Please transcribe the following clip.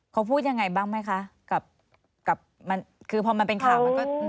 เขาพูดยังไงบ้างไหมคะกับมันคือพอมันเป็นข่าวมันก็